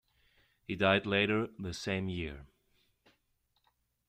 He died later the same year.